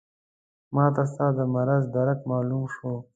ماته ستا د مرض درک معلوم شو.